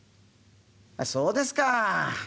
「あっそうですか。